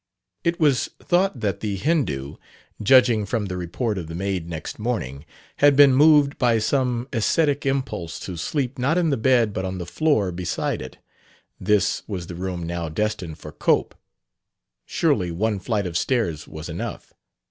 It was thought that the Hindoo, judging from the report of the maid next morning, had been moved by some ascetic impulse to sleep not in the bed but on the floor beside it. This was the room now destined for Cope; surely one flight of stairs was enough.